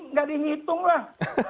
nggak dihitung lah